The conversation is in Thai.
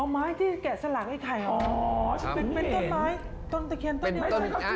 อ๋อไม้ที่แกะสาวหลักไอไข่หรอเป็นต้นไม้ต้นตะเคียนต้นเดียวกัน